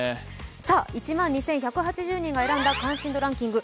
１万２１８０人が選んだ関心度ランキング。